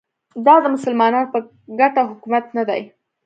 دا د مسلمانانو په ګټه حکومت نه دی